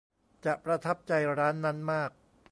จะประทับใจร้านนั้นมาก